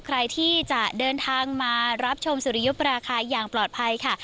ใครที่จะเดินทางมารับชมสุริยุปราคาอย่างปลอดภัยค่ะ